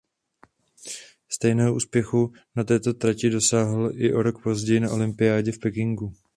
Stejného úspěchu na této trati dosáhl i o rok později na olympiádě v Pekingu.